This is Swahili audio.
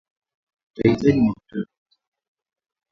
Utahitaji mafuta ya kupikia